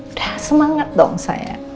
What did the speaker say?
udah semangat dong saya